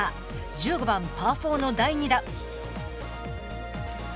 １５番パー４の第２打。